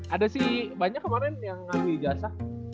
ada sih banyak kemarin yang ngambil ijasa